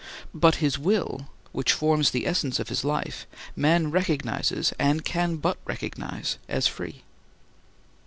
But his will—which forms the essence of his life—man recognizes (and can but recognize) as free.